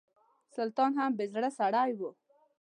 سلطان هم بې زړه سړی و.